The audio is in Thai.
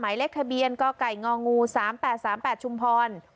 ไหมเล็กทะเบียนก็ไก่งองู๓๘๓๘ชุมพร